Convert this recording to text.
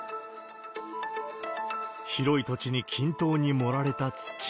広い土地に均等に盛られた土。